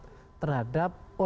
ini sebenarnya kegiatan kita agendal